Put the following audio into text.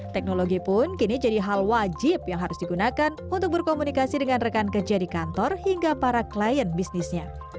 teknologi pun kini jadi hal wajib yang harus digunakan untuk berkomunikasi dengan rekan kerja di kantor hingga para klien bisnisnya